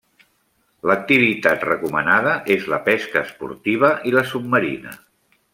L'activitat recomanada és la pesca esportiva i la submarina.